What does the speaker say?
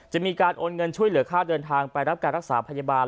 มีการโอนเงินช่วยเหลือค่าเดินทางไปรับการรักษาพยาบาล